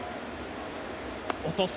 落とす。